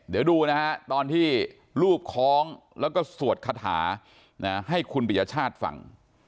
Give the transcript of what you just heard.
เดี๋ยวดูนะฮะตอนที่รูปคล้องแล้วก็สวดคาถาให้คุณปิยชาติฟัง